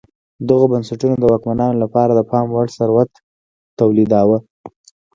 دغو بنسټونو د واکمنانو لپاره د پام وړ ثروت تولیداوه